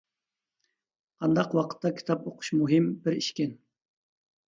قانداق ۋاقىتتا كىتاب ئوقۇش مۇھىم بىر ئىشكەن.